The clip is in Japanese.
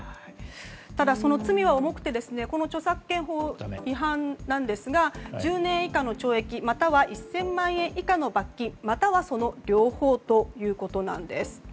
ただ、その罪は重くて著作権法違反なんですが１０年以下の懲役または１０００万円以下の罰金またはその両方ということです。